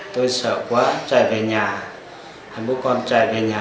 tôi sợ quá chạy về nhà bố con chạy về nhà